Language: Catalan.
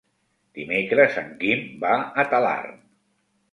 Dimecres en Quim va a Talarn.